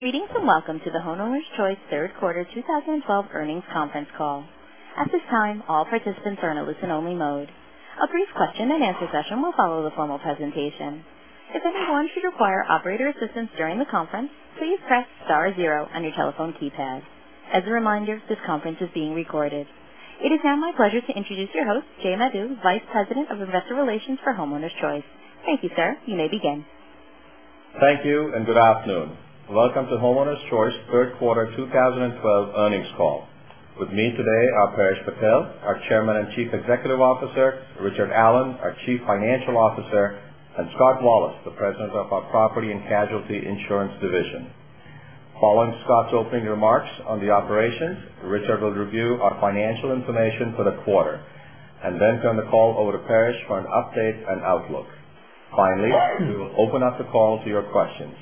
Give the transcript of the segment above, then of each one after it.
Greetings and welcome to the Homeowners Choice third quarter 2012 earnings conference call. At this time, all participants are in a listen only mode. A brief question and answer session will follow the formal presentation. If anyone should require operator assistance during the conference, please press star zero on your telephone keypad. As a reminder, this conference is being recorded. It is now my pleasure to introduce your host, Jay Madhu, Vice President of Investor Relations for Homeowners Choice. Thank you, sir. You may begin. Thank you. Good afternoon. Welcome to Homeowners Choice third quarter 2012 earnings call. With me today are Paresh Patel, our Chairman and Chief Executive Officer, Richard Allen, our Chief Financial Officer, and Scott Wallace, the President of our Property and Casualty Insurance Division. Following Scott's opening remarks on the operations, Richard will review our financial information for the quarter, then turn the call over to Paresh for an update and outlook. Finally, we will open up the call to your questions.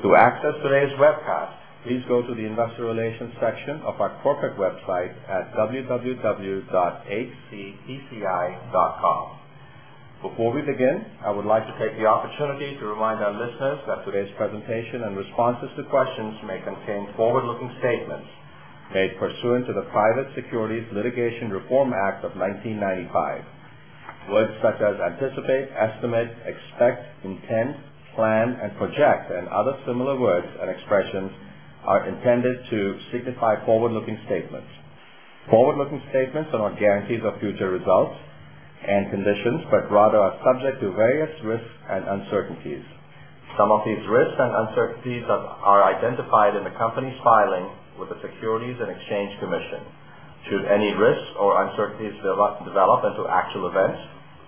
To access today's webcast, please go to the investor relations section of our corporate website at www.hcigroup.com. Before we begin, I would like to take the opportunity to remind our listeners that today's presentation and responses to questions may contain forward-looking statements made pursuant to the Private Securities Litigation Reform Act of 1995. Words such as anticipate, estimate, expect, intend, plan, and project, other similar words and expressions are intended to signify forward-looking statements. Forward-looking statements are not guarantees of future results and conditions, but rather are subject to various risks and uncertainties. Some of these risks and uncertainties are identified in the company's filings with the Securities and Exchange Commission. Should any risks or uncertainties develop into actual events,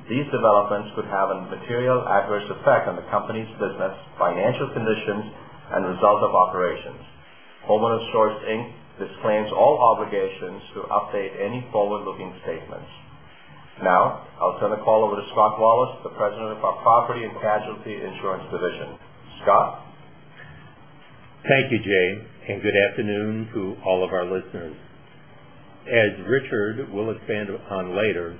these developments could have a material adverse effect on the company's business, financial conditions, and results of operations. Homeowners Choice, Inc. disclaims all obligations to update any forward-looking statements. I'll turn the call over to Scott Wallace, the President of our Property and Casualty Insurance Division. Scott. Thank you, Jay. Good afternoon to all of our listeners. As Richard will expand upon later,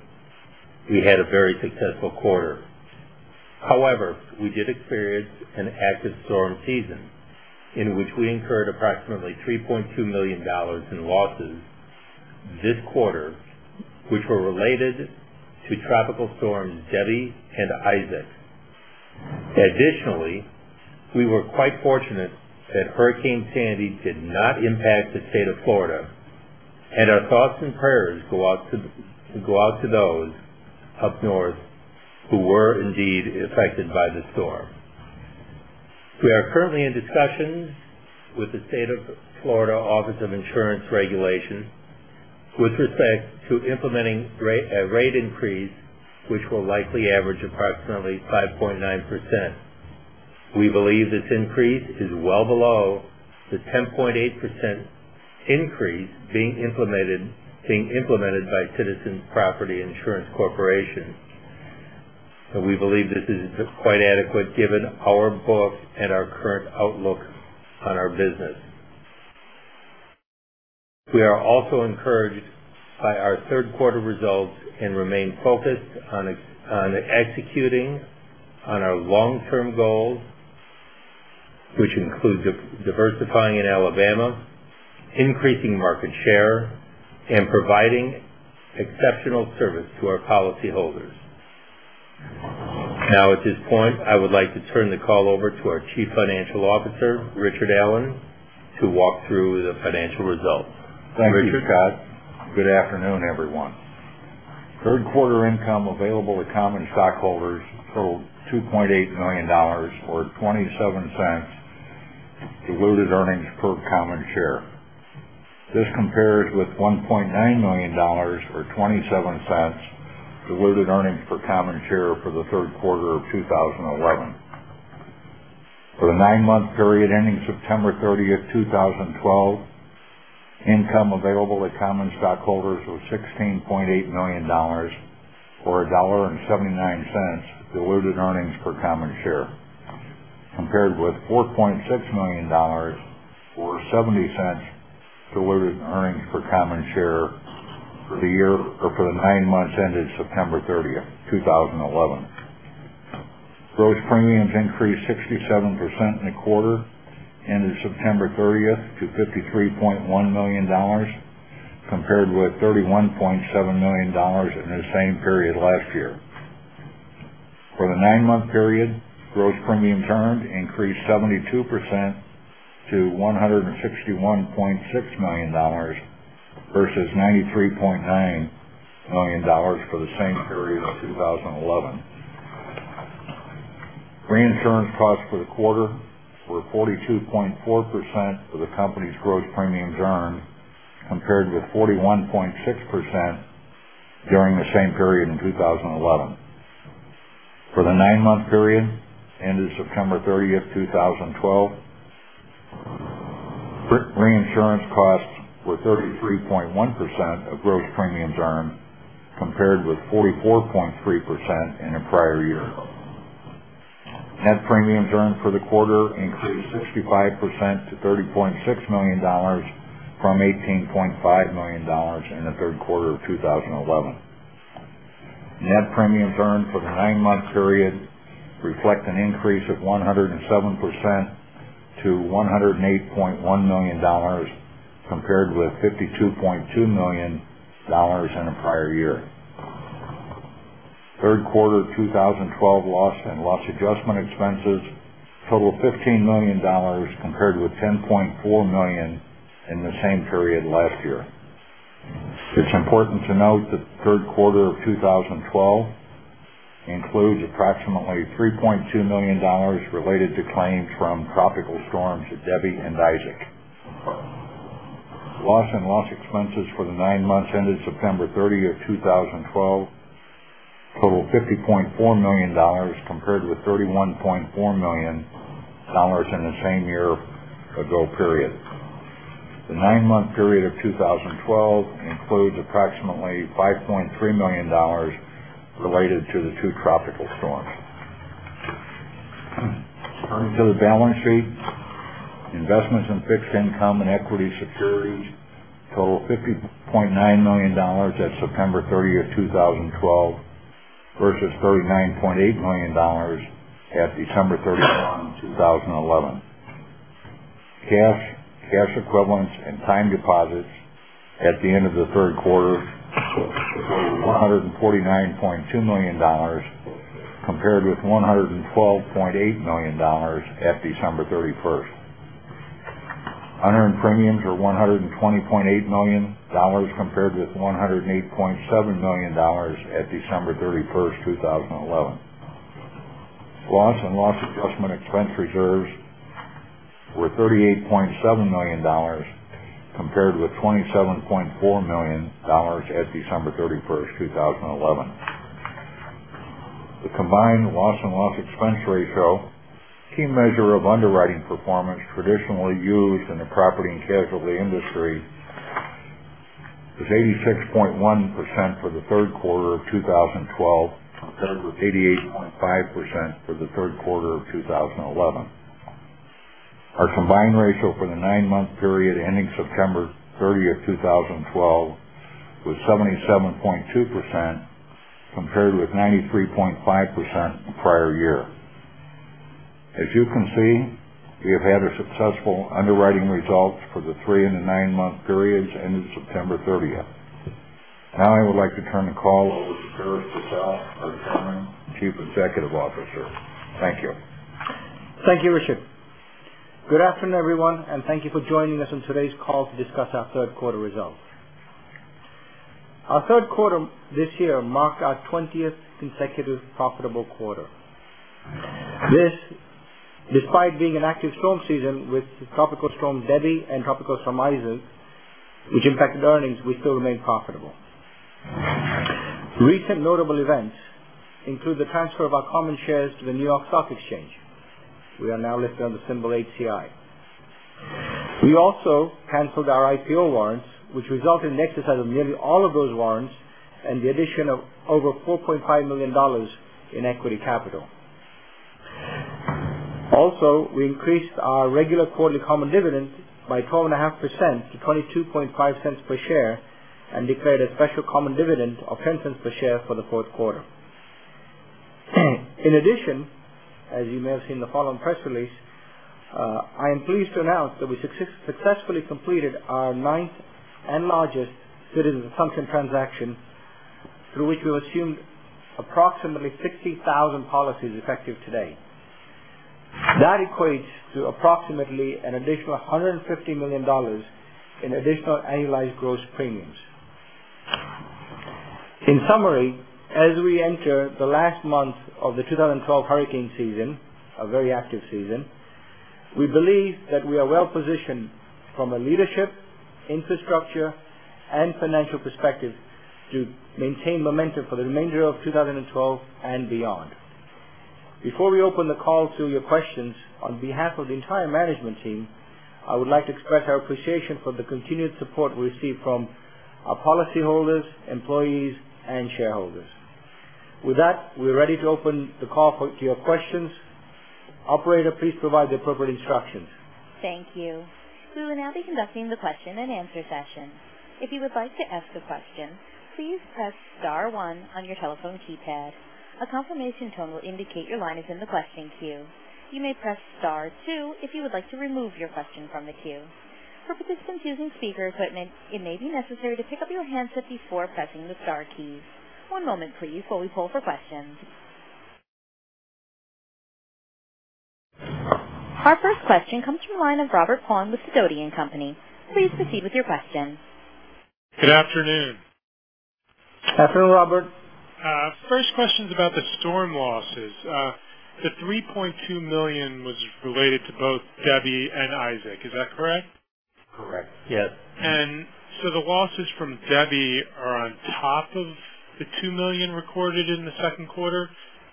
we had a very successful quarter. However, we did experience an active storm season in which we incurred approximately $3.2 million in losses this quarter, which were related to tropical storms Debby and Isaac. Additionally, we were quite fortunate that Hurricane Sandy did not impact the state of Florida, and our thoughts and prayers go out to those up north who were indeed affected by the storm. We are currently in discussions with the State of Florida Office of Insurance Regulation with respect to implementing a rate increase which will likely average approximately 5.9%. We believe this increase is well below the 10.8% increase being implemented by Citizens Property Insurance Corporation. We believe this is quite adequate given our book and our current outlook on our business. We are also encouraged by our third quarter results and remain focused on executing on our long-term goals, which include diversifying in Alabama, increasing market share, and providing exceptional service to our policyholders. At this point, I would like to turn the call over to our Chief Financial Officer, Richard Allen, to walk through the financial results. Richard. Thank you, Scott. Good afternoon, everyone. Third quarter income available to common stockholders totaled $2.8 million, or $0.27 diluted earnings per common share. This compares with $1.9 million, or $0.27 diluted earnings per common share for the third quarter of 2011. For the nine-month period ending September 30th, 2012, income available to common stockholders was $16.8 million, or $1.79 diluted earnings per common share, compared with $4.6 million or $0.70 diluted earnings per common share for the nine months ended September 30th, 2011. Gross premiums increased 67% in the quarter ended September 30th to $53.1 million compared with $31.7 million in the same period last year. For the nine-month period, gross premiums earned increased 72% to $161.6 million versus $93.9 million for the same period of 2011. Reinsurance costs for the quarter were 42.4% of the company's gross premiums earned, compared with 41.6% during the same period in 2011. For the nine-month period ended September 30th, 2012, reinsurance costs were 33.1% of gross premiums earned, compared with 44.3% in the prior year. Net premiums earned for the quarter increased 65% to $30.6 million from $18.5 million in the third quarter of 2011. Net premiums earned for the nine-month period reflect an increase of 107% to $108.1 million, compared with $52.2 million in the prior year. Third quarter 2012 loss and loss adjustment expenses total $15 million, compared with $10.4 million in the same period last year. It's important to note that third quarter of 2012 includes approximately $3.2 million related to claims from tropical storms Debby and Isaac. Loss and loss expenses for the nine months ended September 30th, 2012, total $50.4 million, compared with $31.4 million in the same year ago period. The nine-month period of 2012 includes approximately $5.3 million related to the two tropical storms. Turning to the balance sheet. Investments in fixed income and equity securities total $50.9 million at September 30th, 2012 versus $39.8 million at December 31st, 2011. Cash, cash equivalents, and time deposits at the end of the third quarter, $149.2 million, compared with $112.8 million at December 31st. Unearned premiums are $120.8 million compared with $108.7 million at December 31st, 2011. Loss and loss adjustment expense reserves were $38.7 million compared with $27.4 million at December 31st, 2011. The combined loss and loss expense ratio, key measure of underwriting performance traditionally used in the property and casualty industry, was 86.1% for the third quarter of 2012 compared with 88.5% for the third quarter of 2011. Our combined ratio for the nine-month period ending September 30th, 2012 was 77.2%, compared with 93.5% the prior year. As you can see, we have had successful underwriting results for the three and the nine-month periods ending September 30th. I would like to turn the call over to Paresh Patel, our Chairman and Chief Executive Officer. Thank you. Thank you, Richard. Good afternoon, everyone, thank you for joining us on today's call to discuss our third quarter results. Our third quarter this year marked our 20th consecutive profitable quarter. This, despite being an active storm season with Tropical Storm Debby and Tropical Storm Isaac, which impacted earnings, we still remained profitable. Recent notable events include the transfer of our common shares to the New York Stock Exchange. We are now listed under symbol HCI. We also canceled our IPO warrants, which resulted in the exercise of nearly all of those warrants and the addition of over $4.5 million in equity capital. We increased our regular quarterly common dividend by 12.5% to $0.225 per share and declared a special common dividend of $0.10 per share for the fourth quarter. As you may have seen in the following press release, I am pleased to announce that we successfully completed our ninth and largest Citizens assumption transaction, through which we assumed approximately 60,000 policies effective today. That equates to approximately an additional $150 million in additional annualized gross premiums. In summary, as we enter the last month of the 2012 hurricane season, a very active season, we believe that we are well-positioned from a leadership, infrastructure, and financial perspective to maintain momentum for the remainder of 2012 and beyond. Before we open the call to your questions, on behalf of the entire management team, I would like to express our appreciation for the continued support we receive from our policyholders, employees, and shareholders. With that, we're ready to open the call to your questions. Operator, please provide the appropriate instructions. Thank you. We will now be conducting the question and answer session. If you would like to ask a question, please press star one on your telephone keypad. A confirmation tone will indicate your line is in the question queue. You may press star two if you would like to remove your question from the queue. For participants using speaker equipment, it may be necessary to pick up your handset before pressing the star keys. One moment please while we poll for questions. Our first question comes from the line of Robert Cohen with Dodson & Company. Please proceed with your question. Good afternoon. Afternoon, Robert. First question's about the storm losses. The $3.2 million was related to both Debby and Isaac. Is that correct? Correct. Yes. The losses from Debby are on top of the $2 million recorded in the second quarter,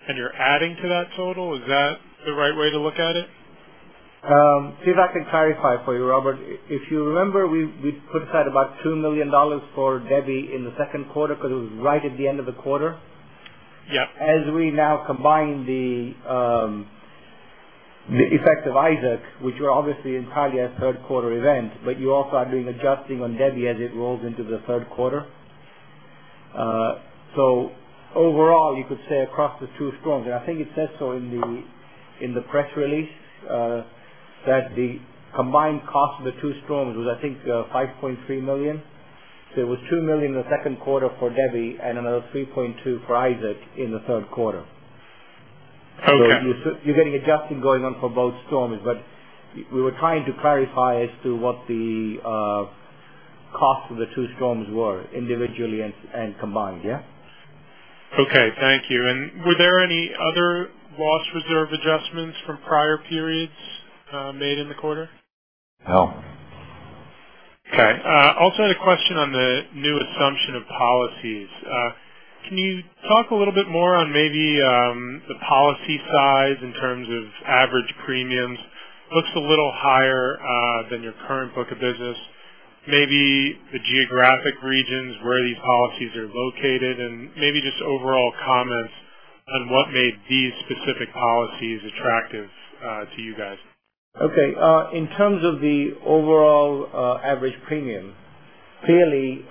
and you're adding to that total? Is that the right way to look at it? See if I can clarify for you, Robert. If you remember, we put aside about $2 million for Debby in the second quarter because it was right at the end of the quarter. Yeah. We now combine the effect of Isaac, which were obviously entirely a third quarter event, but you also are doing adjusting on Debby as it rolls into the third quarter. Overall, you could say across the two storms, and I think it says so in the press release, that the combined cost of the two storms was, I think, $5.3 million. It was $2 million in the second quarter for Debby and another $3.2 for Isaac in the third quarter. Okay. You're getting adjusting going on for both storms, but we were trying to clarify as to what the cost of the two storms were individually and combined, yeah? Okay. Thank you. Were there any other loss reserve adjustments from prior periods made in the quarter? No. Okay. I also had a question on the new assumption of policies. Can you talk a little bit more on maybe the policy size in terms of average premiums. Looks a little higher than your current book of business. Maybe the geographic regions where these policies are located, and maybe just overall comments on what made these specific policies attractive to you guys. Okay. In terms of the overall average premium, clearly,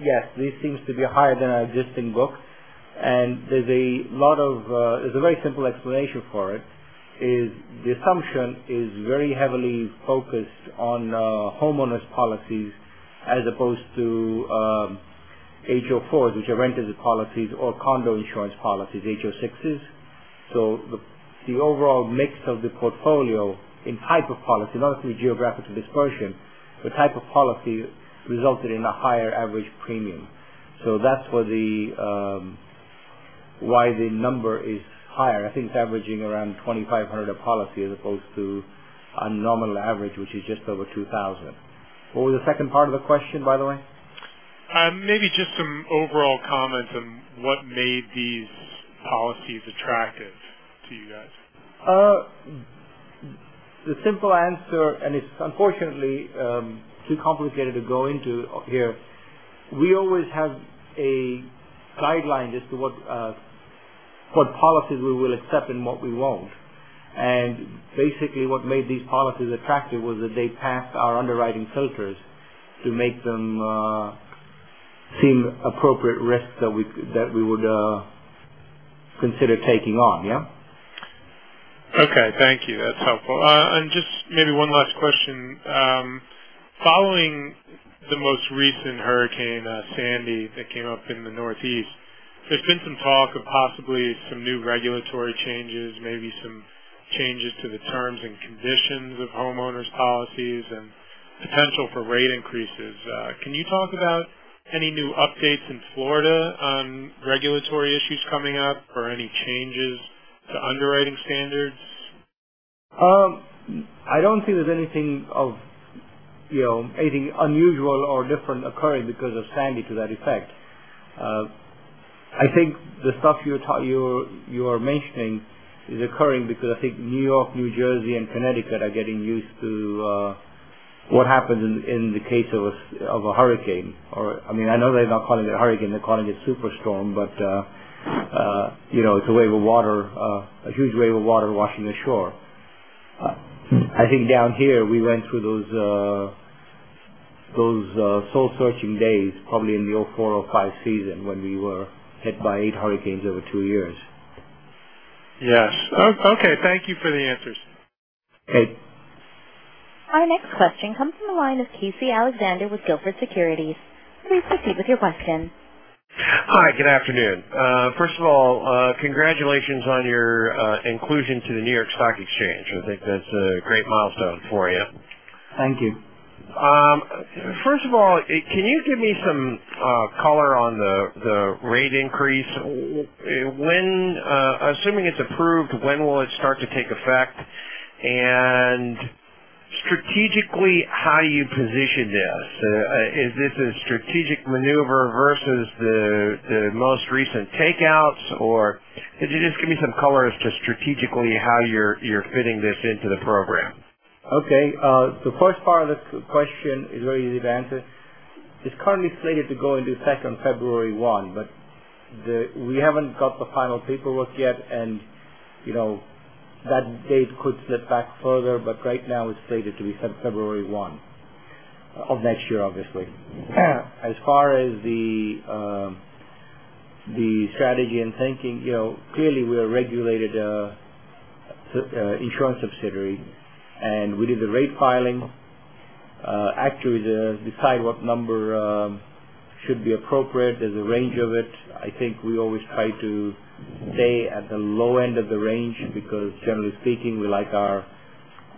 yes, this seems to be higher than our existing book, and there's a very simple explanation for it. The assumption is very heavily focused on homeowners policies as opposed to HO4s, which are renters policies, or condo insurance policies, HO6s. The overall mix of the portfolio in type of policy, not through geographic dispersion, the type of policy resulted in a higher average premium. That's why the number is higher. I think it's averaging around $2,500 a policy as opposed to a nominal average, which is just over $2,000. What was the second part of the question, by the way? Maybe just some overall comments on what made these policies attractive to you guys. The simple answer, it's unfortunately too complicated to go into here. We always have a guideline as to what policies we will accept and what we won't. Basically, what made these policies attractive was that they passed our underwriting filters to make them seem appropriate risks that we would consider taking on, yeah? Okay. Thank you. That's helpful. Just maybe one last question. Following the most recent Hurricane Sandy that came up in the Northeast, there's been some talk of possibly some new regulatory changes, maybe some changes to the terms and conditions of homeowners policies and potential for rate increases. Can you talk about any new updates in Florida on regulatory issues coming up or any changes to underwriting standards? I don't see there's anything unusual or different occurring because of Sandy to that effect. I think the stuff you are mentioning is occurring because I think New York, New Jersey, and Connecticut are getting used to what happens in the case of a hurricane. I know they're not calling it a hurricane, they're calling it superstorm, but it's a huge wave of water washing the shore. I think down here, we went through those soul-searching days probably in the 2004, 2005 season when we were hit by eight hurricanes over two years. Yes. Okay. Thank you for the answers. Okay. Our next question comes from the line of Casey Alexander with Gilford Securities. Please proceed with your question. Hi, good afternoon. First of all, congratulations on your inclusion to the New York Stock Exchange. I think that's a great milestone for you. Thank you. First of all, can you give me some color on the rate increase? Assuming it's approved, when will it start to take effect? Strategically, how do you position this? Is this a strategic maneuver versus the most recent takeouts, or could you just give me some color as to strategically how you're fitting this into the program? Okay. The first part of the question is very easy to answer. It's currently slated to go into effect on February 1. We haven't got the final paperwork yet, and that date could slip back further. Right now it's slated to be February 1 of next year, obviously. As far as the strategy and thinking, clearly we're a regulated insurance subsidiary, and we did the rate filing. Actuaries decide what number should be appropriate. There's a range of it. I think we always try to stay at the low end of the range because generally speaking, we like our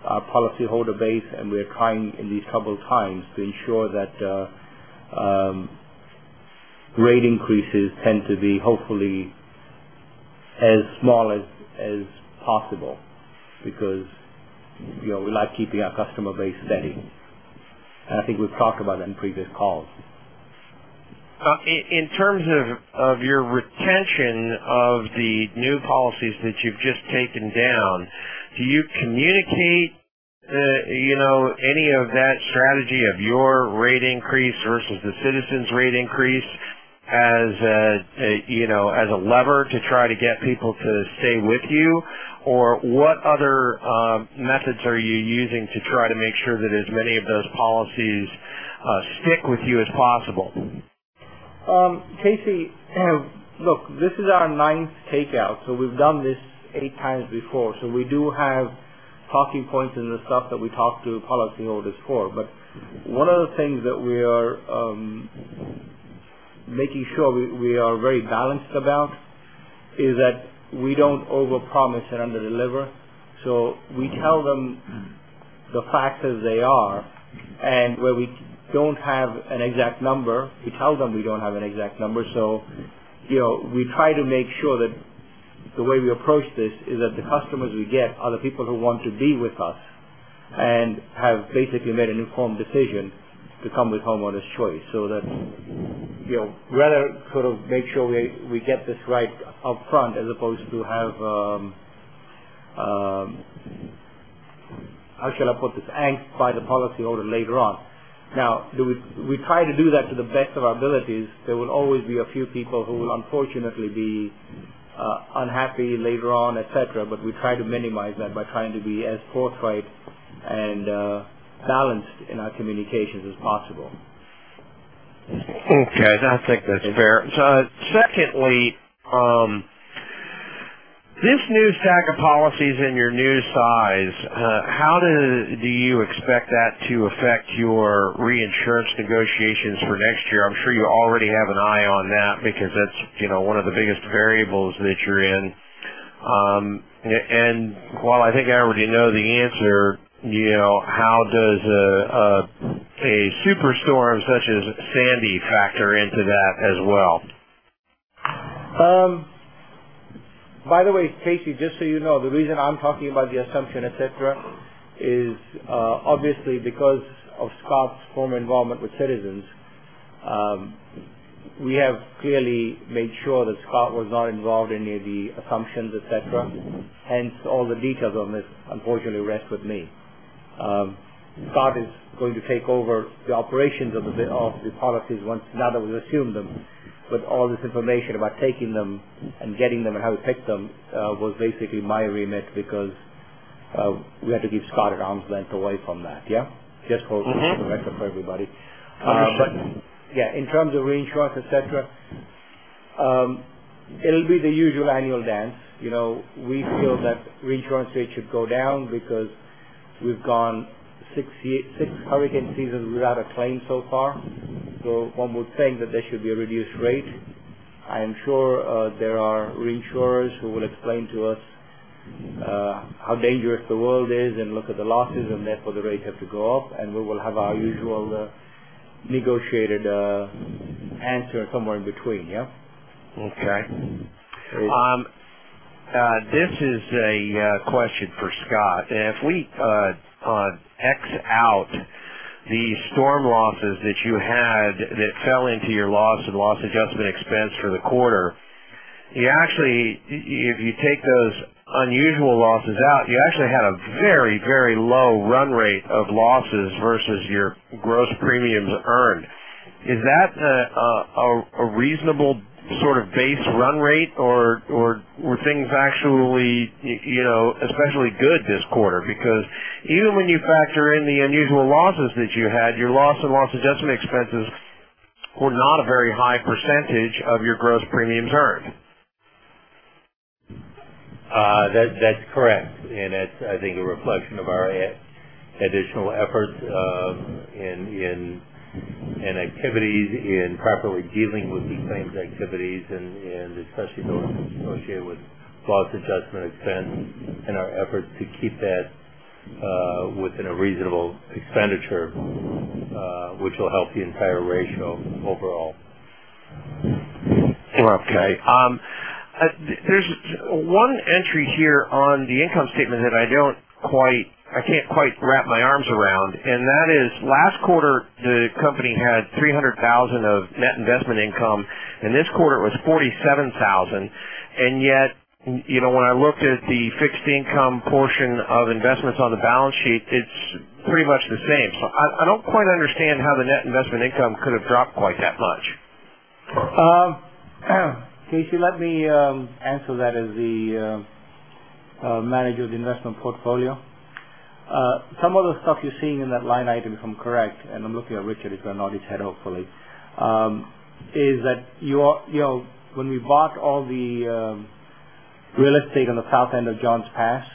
policyholder base, and we are trying in these troubled times to ensure that rate increases tend to be hopefully as small as possible because we like keeping our customer base steady. I think we've talked about that in previous calls. In terms of your retention of the new policies that you've just taken down, do you communicate any of that strategy of your rate increase versus the Citizens rate increase as a lever to try to get people to stay with you? What other methods are you using to try to make sure that as many of those policies stick with you as possible? Casey, look, this is our ninth takeout. We've done this eight times before. We do have talking points and the stuff that we talk to policyholders for. One of the things that we are making sure we are very balanced about is that we don't overpromise and underdeliver. We tell them the facts as they are, and where we don't have an exact number, we tell them we don't have an exact number. We try to make sure that the way we approach this is that the customers we get are the people who want to be with us and have basically made an informed decision to come with Homeowners Choice. That, we'd rather sort of make sure we get this right up front as opposed to have, how shall I put this? Angst by the policyholder later on. Now, we try to do that to the best of our abilities. There will always be a few people who will unfortunately be unhappy later on, et cetera. We try to minimize that by trying to be as forthright and balanced in our communications as possible. Okay. I think that's fair. Secondly, this new stack of policies and your new size, how do you expect that to affect your reinsurance negotiations for next year? I am sure you already have an eye on that because that's one of the biggest variables that you're in. While I think I already know the answer, how does a superstorm such as Hurricane Sandy factor into that as well? By the way, Casey, just so you know, the reason I am talking about the assumption, et cetera, is obviously because of Scott's former involvement with Citizens. We have clearly made sure that Scott was not involved in any of the assumptions, et cetera. Hence, all the details of this unfortunately rest with me. Scott is going to take over the operations of the policies now that we've assumed them. All this information about taking them and getting them and how we picked them was basically my remit because we had to keep Scott at arm's length away from that, yeah? Just for the record, for everybody. Understood. Yeah, in terms of reinsurance, et cetera, it'll be the usual annual dance. We feel that reinsurance rate should go down because we've gone six hurricane seasons without a claim so far. One would think that there should be a reduced rate. I am sure there are reinsurers who will explain to us how dangerous the world is and look at the losses, and therefore the rates have to go up, and we will have our usual negotiated answer somewhere in between, yeah? Okay. This is a question for Scott. If we X out the storm losses that you had that fell into your loss and loss adjustment expense for the quarter, if you take those unusual losses out, you actually had a very low run rate of losses versus your gross premiums earned. Is that a reasonable sort of base run rate, or were things actually especially good this quarter? Because even when you factor in the unusual losses that you had, your loss and loss adjustment expenses were not a very high percentage of your gross premiums earned. That's correct. That's, I think, a reflection of our additional efforts in activities, in properly dealing with the claims activities, especially those associated with loss adjustment expense and our efforts to keep that within a reasonable expenditure, which will help the entire ratio overall. Okay. There's one entry here on the income statement that I can't quite wrap my arms around, that is last quarter, the company had $300,000 of net investment income, and this quarter it was $47,000. Yet, when I looked at the fixed income portion of investments on the balance sheet, it's pretty much the same. I don't quite understand how the net investment income could have dropped quite that much. Casey, let me answer that as the manager of the investment portfolio. Some of the stuff you're seeing in that line item, if I'm correct, and I'm looking at Richard, who's going to nod his head hopefully, is that when we bought all the real estate on the south end of John's Pass,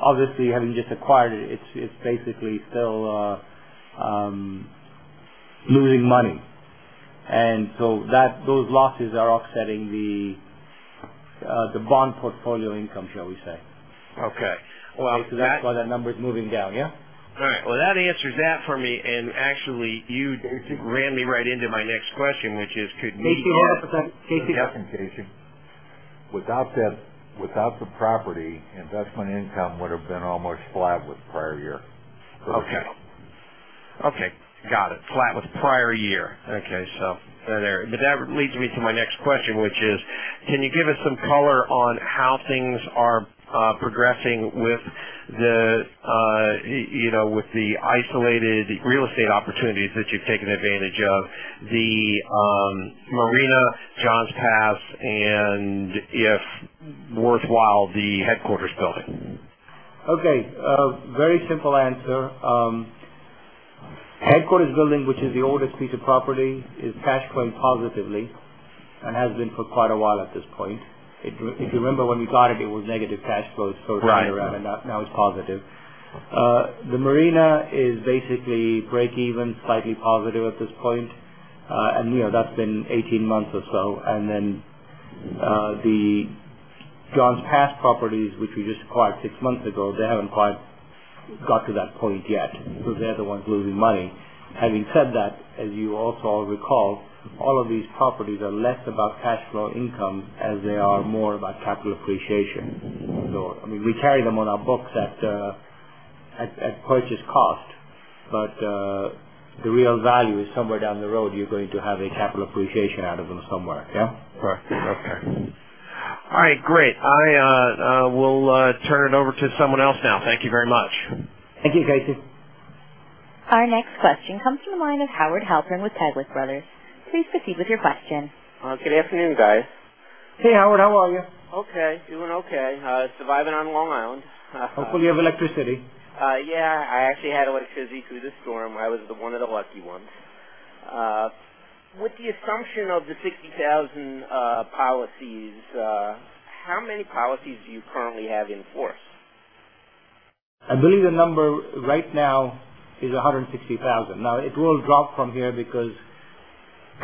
obviously, having just acquired it's basically still losing money. Those losses are offsetting the bond portfolio income, shall we say. Okay. That's why that number is moving down, yeah? All right. Well, that answers that for me. Actually, you ran me right into my next question, which is. Casey. Yes, Casey. Without the property, investment income would have been almost flat with prior year. Okay. Okay. Got it. Flat with prior year. Okay. That leads me to my next question, which is, can you give us some color on how things are progressing with the isolated real estate opportunities that you've taken advantage of, the Marina, Johns Pass, and if worthwhile, the headquarters building? Okay. Very simple answer. Headquarters building, which is the oldest piece of property, is cash flowing positively and has been for quite a while at this point. If you remember when we got it was negative cash flow. Right. Turning around, and now it's positive. The Marina is basically break even, slightly positive at this point. That's been 18 months or so. The Johns Pass properties, which we just acquired six months ago, they haven't quite got to that point yet. They're the ones losing money. Having said that, as you also recall, all of these properties are less about cash flow income as they are more about capital appreciation. We carry them on our books at purchase cost. The real value is somewhere down the road. You're going to have a capital appreciation out of them somewhere. Yeah. Correct. Okay. All right. Great. I will turn it over to someone else now. Thank you very much. Thank you, Casey. Our next question comes from the line of Howard Halpern with Taglich Brothers. Please proceed with your question. Good afternoon, guys. Hey, Howard. How are you? Okay. Doing okay. Surviving on Long Island. Hopefully you have electricity. Yeah, I actually had electricity through the storm. I was one of the lucky ones. With the assumption of the 60,000 policies, how many policies do you currently have in force? I believe the number right now is 160,000. It will drop from here because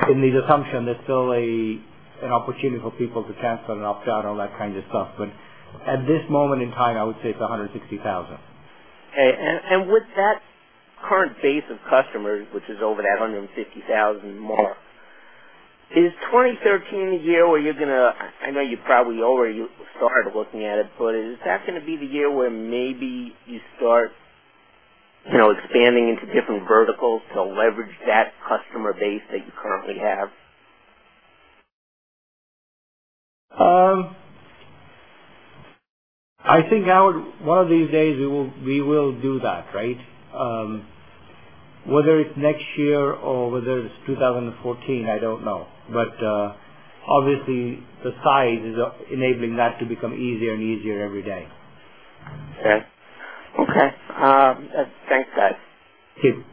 in the assumption, there's still an opportunity for people to transfer and opt out, all that kind of stuff. At this moment in time, I would say it's 160,000. Okay. With that current base of customers, which is over that 150,000 mark, is 2013 the year where you're going to, I know you probably already started looking at it, but is that going to be the year where maybe you start expanding into different verticals to leverage that customer base that you currently have? I think, Howard, one of these days we will do that, right? Whether it's next year or whether it's 2014, I don't know. Obviously the size is enabling that to become easier and easier every day. Okay. Thanks, guys. Thank you.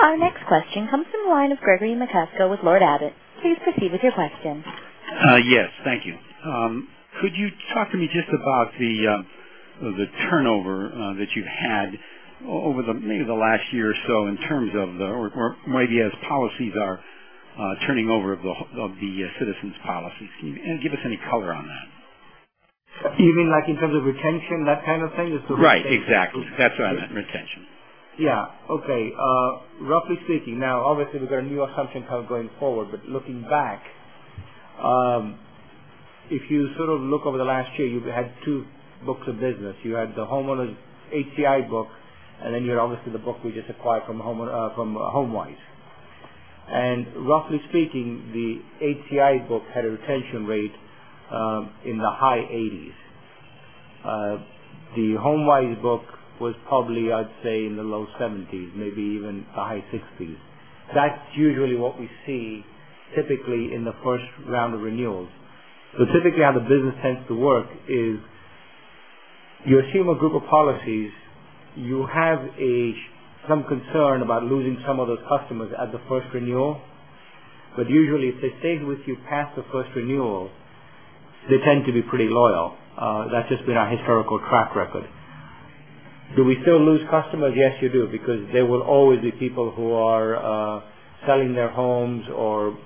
Our next question comes from the line of Gregory Macosko with Lord Abbett. Please proceed with your question. Yes. Thank you. Could you talk to me just about the turnover that you've had over maybe the last year or so in terms of or maybe as policies are turning over of the Citizens policies. Can you give us any color on that? You mean like in terms of retention, that kind of thing? Right. Exactly. That's what I meant, retention. Yeah. Okay. Roughly speaking now, obviously we've got a new assumption going forward. Looking back, if you look over the last year, you've had two books of business. You had the homeowners HCI book, obviously the book we just acquired from HomeWise. Roughly speaking, the HCI book had a retention rate in the high 80s. The HomeWise book was probably, I'd say, in the low 70s, maybe even the high 60s. That's usually what we see typically in the first round of renewals. Typically how the business tends to work is you assume a group of policies. You have some concern about losing some of those customers at the first renewal. Usually if they stay with you past the first renewal, they tend to be pretty loyal. That's just been our historical track record. Do we still lose customers? Yes, you do, because there will always be people who are selling their homes or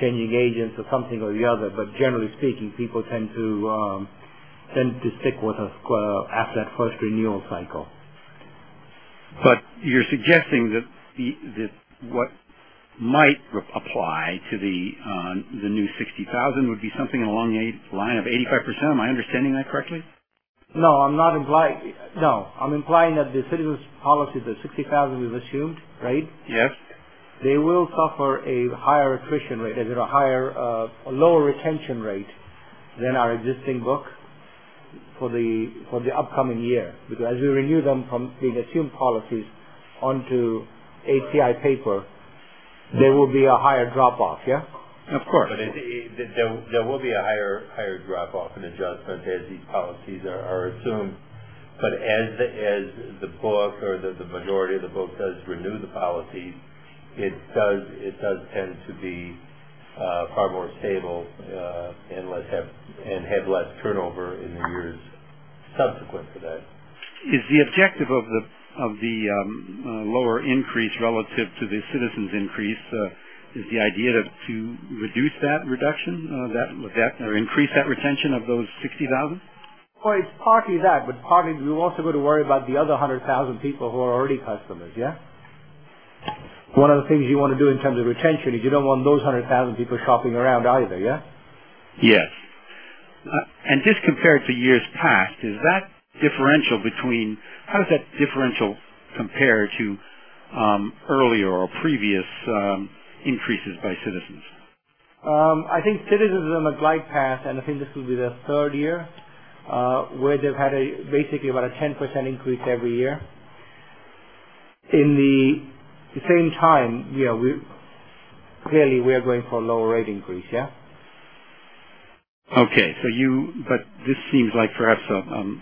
changing agents or something or the other. Generally speaking, people tend to stick with us after that first renewal cycle. You're suggesting that what might apply to the new 60,000 would be something along the line of 85%. Am I understanding that correctly? No, I'm implying that the Citizens policy, the 60,000 we've assumed, right? Yes. They will suffer a higher attrition rate. They get a lower retention rate than our existing book for the upcoming year, because as we renew them from the assumed policies onto HCI paper, there will be a higher drop-off. Yeah? Of course. There will be a higher drop-off and adjustment as these policies are assumed. As the book or the majority of the book does renew the policies, it does tend to be far more stable and have less turnover in the years subsequent to that. Is the objective of the lower increase relative to the Citizens increase, is the idea to reduce that reduction or increase that retention of those 60,000? Well, it's partly that, but partly we've also got to worry about the other 100,000 people who are already customers, yeah? One of the things you want to do in terms of retention is you don't want those 100,000 people shopping around either, yeah? Yes. Just compared to years past, how does that differential compare to earlier or previous increases by Citizens? I think Citizens is on a glide path, and I think this will be their third year, where they've had basically about a 10% increase every year. In the same time, clearly we are going for a lower rate increase, yeah? Okay. This seems like perhaps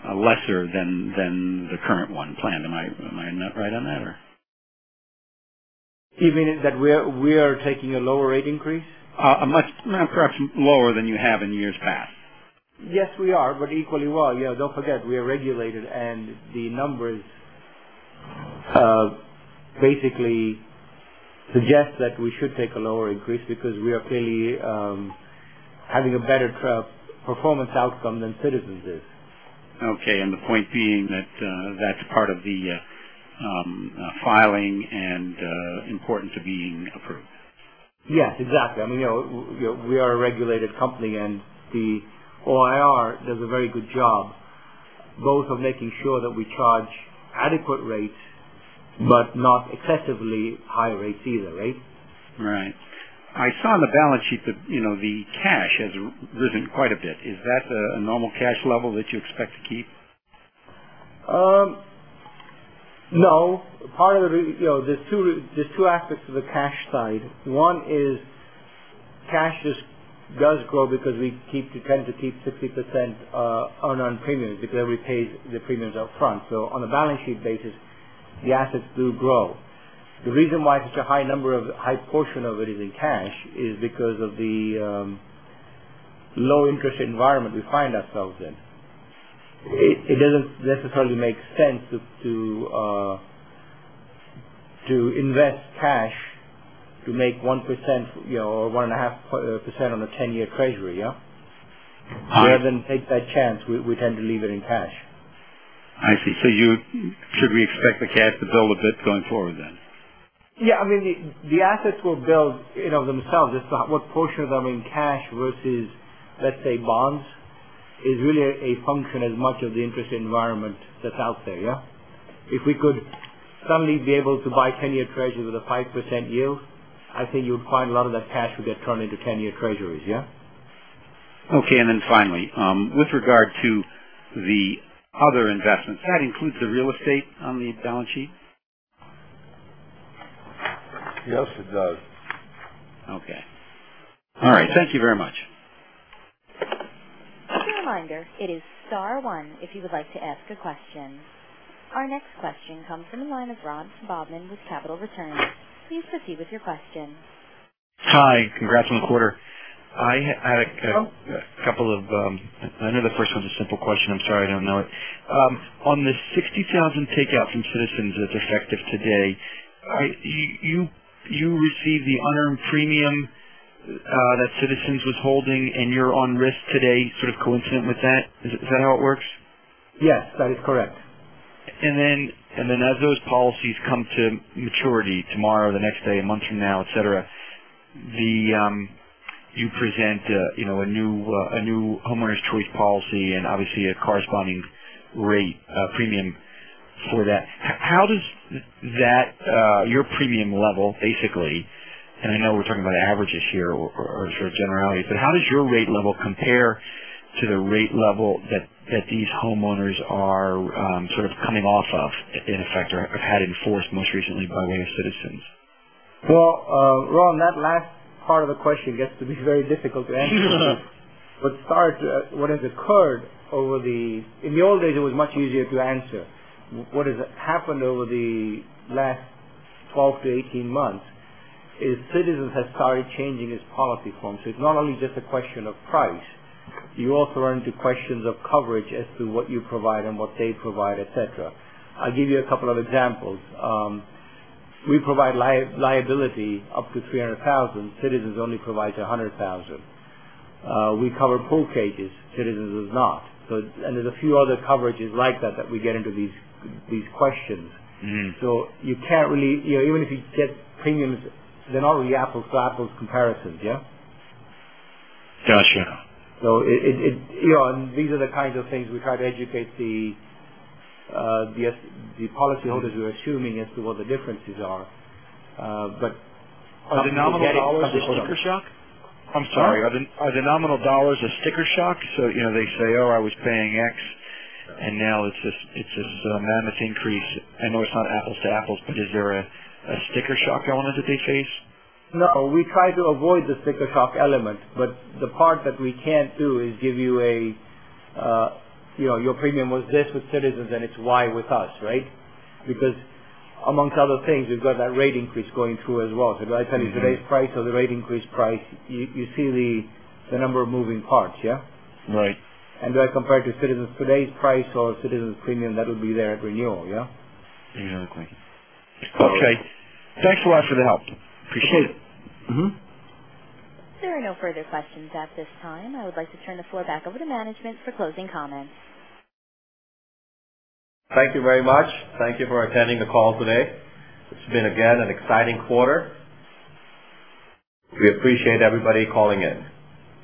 a lesser than the current one planned. Am I not right on that, or? You mean that we are taking a lower rate increase? Much, perhaps lower than you have in years past. Yes, we are. Equally well, don't forget, we are regulated. The numbers basically suggest that we should take a lower increase because we are clearly having a better performance outcome than Citizens is. Okay. The point being that that's part of the filing and important to being approved. Yes, exactly. We are a regulated company. The OIR does a very good job both of making sure that we charge adequate rates but not excessively high rates either, right? Right. I saw on the balance sheet that the cash has risen quite a bit. Is that a normal cash level that you expect to keep? No. There's two aspects to the cash side. One is cash just does grow because we tend to keep 50% unearned premiums because everybody pays the premiums up front. On a balance sheet basis, the assets do grow. The reason why such a high portion of it is in cash is because of the low interest environment we find ourselves in. It doesn't necessarily make sense to invest cash to make 1% or 1.5% on a 10-year treasury, yeah? I see. Rather than take that chance, we tend to leave it in cash. I see. Should we expect the cash to build a bit going forward then? The assets will build themselves. Just what portion of them in cash versus, let's say, bonds is really a function as much of the interest environment that's out there, yeah? If we could suddenly be able to buy 10-year treasuries with a 5% yield, I think you would find a lot of that cash would get turned into 10-year treasuries, yeah? Okay. Finally, with regard to the other investments, that includes the real estate on the balance sheet? Yes, it does. Okay. All right. Thank you very much. Just a reminder, it is star one if you would like to ask a question. Our next question comes from the line of Ron Bobman with Capital Returns. Please proceed with your question. Hi. Congrats on the quarter. I know the first one's a simple question. I'm sorry, I don't know it. On this 60,000 takeout from Citizens that's effective today, you receive the unearned premium that Citizens was holding and you're on risk today sort of coincident with that. Is that how it works? Yes, that is correct. As those policies come to maturity tomorrow, the next day, a month from now, et cetera, you present a new Homeowners Choice policy and obviously a corresponding rate premium for that. How does your premium level basically, and I know we're talking about averages here or generalities, but how does your rate level compare to the rate level that these homeowners are coming off of, in effect, or have had in force most recently by way of Citizens? Well, Ron, that last part of the question gets to be very difficult to answer. In the old days, it was much easier to answer. What has happened over the last 12 to 18 months is Citizens has started changing its policy forms. It's not only just a question of price. You also run into questions of coverage as to what you provide and what they provide, et cetera. I'll give you a couple of examples. We provide liability up to 300,000. Citizens only provides 100,000. We cover pool cages, Citizens does not. There's a few other coverages like that that we get into these questions. Even if you get premiums, they're not really apples to apples comparisons, yeah? Got you. These are the kinds of things we try to educate the policyholders who are assuming as to what the differences are. Are the nominal dollars a sticker shock? Huh? I'm sorry. Are the nominal dollars a sticker shock? They say, "Oh, I was paying X, and now it's this mammoth increase." I know it's not apples to apples, but is there a sticker shock element that they face? No, we try to avoid the sticker shock element. The part that we can't do is give you a, your premium was this with Citizens and it's Y with us, right? Amongst other things, we've got that rate increase going through as well. Do I tell you today's price or the rate increase price? You see the number of moving parts, yeah? Right. Do I compare it to Citizens today's price or Citizens premium that will be there at renewal, yeah? Exactly. Okay. Thanks a lot for the help. Appreciate it. There are no further questions at this time. I would like to turn the floor back over to management for closing comments. Thank you very much. Thank you for attending the call today. It's been, again, an exciting quarter. We appreciate everybody calling in.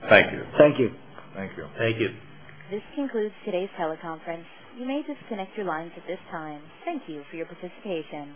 Thank you. Thank you. Thank you. Thank you. This concludes today's teleconference. You may disconnect your lines at this time. Thank you for your participation.